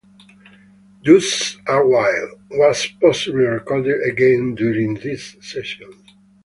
"Deuces Are Wild" was possibly recorded again during these sessions.